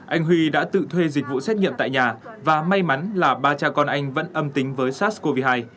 anh huy đã tự thuê dịch vụ xét nghiệm tại nhà và may mắn là ba cha con anh vẫn âm tính với sars cov hai